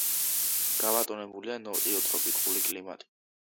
გაბატონებულია ნოტიო ტროპიკული კლიმატი.